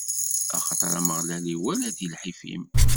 Axaṭer Ameɣlal iwala-d i lḥif-im.